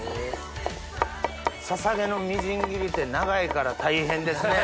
ささげのみじん切りって長いから大変ですね。